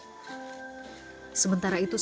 semua aktifitas kaki itu berubah menjadi lebih mudah